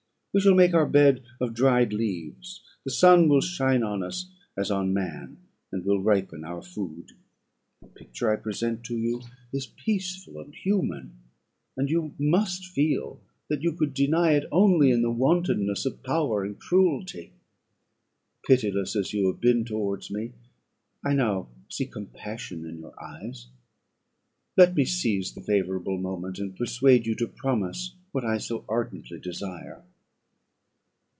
We shall make our bed of dried leaves; the sun will shine on us as on man, and will ripen our food. The picture I present to you is peaceful and human, and you must feel that you could deny it only in the wantonness of power and cruelty. Pitiless as you have been towards me, I now see compassion in your eyes; let me seize the favourable moment, and persuade you to promise what I so ardently desire."